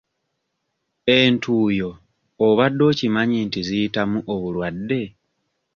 Entuuyo obadde okimanyi nti ziyitamu obulwadde?